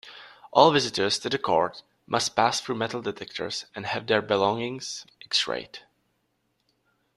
All visitors to the Court must pass through metal-detectors and have their belongings X-rayed.